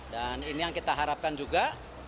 dan ini yang kita harapkan juga